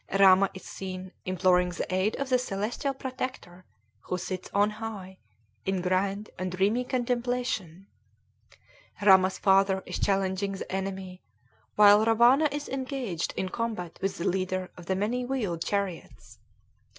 Rama is seen imploring the aid of the celestial protector, who sits on high, in grand and dreamy contemplation. Rama's father is challenging the enemy, while Rawana is engaged in combat with the leader of the many wheeled chariots.